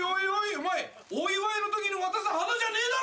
お前お祝いのときに渡す花じゃねえだろ！